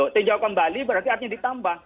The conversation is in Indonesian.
tinjau kembali berarti artinya ditambah